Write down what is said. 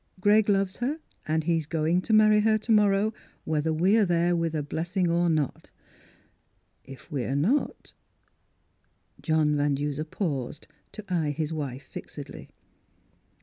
Greg loves her, and he's going to marry her to morrow, whether we're there with a blessing or not. If we're not—" John Van Duser paused to eye his wife fixedly.